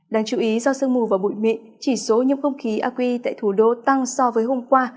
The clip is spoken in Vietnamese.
đáng chú ý do sương mù và bụi mịn chỉ số nhiễm không khí aqi tại thủ đô tăng so với hôm qua